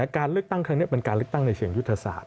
การเลือกตั้งครั้งนี้เป็นการเลือกตั้งในเชิงยุทธศาสต